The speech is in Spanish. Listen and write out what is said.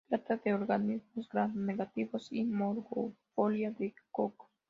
Se trata de organismos Gram-negativos y morfología de cocos.